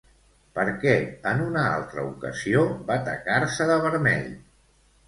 Per què en una altra ocasió va tacar-se de vermell?